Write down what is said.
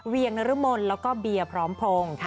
เวียงนรมนแล้วก็เบียร์พร้อมพงศ์